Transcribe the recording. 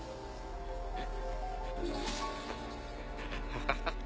ハハハハ。